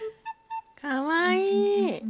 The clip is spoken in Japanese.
かわいい。